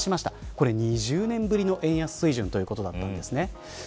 これ、２０年ぶりの円安水準ということだったんです。